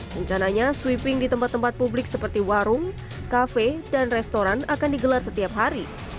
rencananya sweeping di tempat tempat publik seperti warung kafe dan restoran akan digelar setiap hari